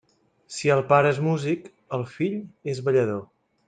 Si el pare és músic, el fill és ballador.